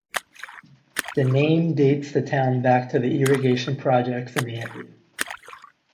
The name dates the town back to the irrigation projects in the area.